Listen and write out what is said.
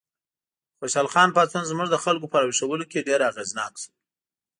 د خوشحال خان پاڅون زموږ د خلکو په راویښولو کې ډېر اغېزناک شو.